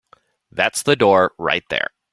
There's the door right there.